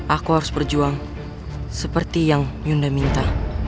aku harus berjuang seperti yang hyunda minta